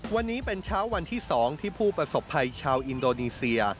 วันนี้เป็นเช้าวันที่๒ที่ผู้ประสบภัยชาวอินโดนีเซีย